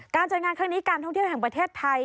จัดงานครั้งนี้การท่องเที่ยวแห่งประเทศไทย